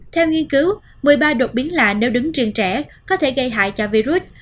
theo nghiên cứu một mươi ba đột biến là nếu đứng riêng trẻ có thể gây hại cho virus